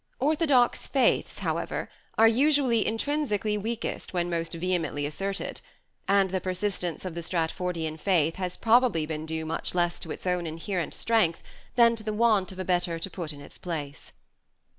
Orthodox faiths, however, are usually intrinsically weakest when most vehemently asserted ; and the persistence of the Stratfordian faith has probably been due much less to its own inherent strength than to the want of a better to put in its place.